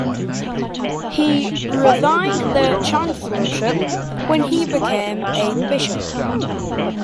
He resigned the chancellorship when he became a bishop.